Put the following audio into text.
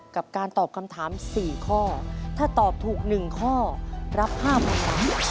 กับการตอบคำถาม๔ข้อถ้าตอบถูก๑ข้อรับ๕๐๐๐บาท